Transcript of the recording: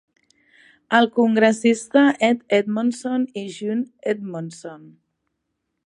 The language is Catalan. El congressista Ed Edmondson i June Edmondson.